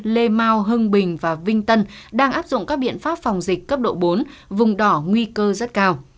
lê mau hưng bình và vinh tân đang áp dụng các biện pháp phòng dịch cấp độ bốn vùng đỏ nguy cơ rất cao